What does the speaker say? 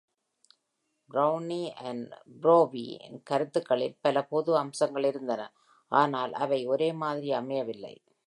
Browne and Barrowe-ன் கருத்துகளில் பல பொது அம்சங்கள் இருந்தன, ஆனால் அவை ஒரேமாதிரி அமையவில்லை.